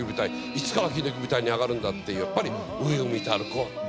いつかはひのき舞台に上がるんだってやっぱり上を向いて歩こうって。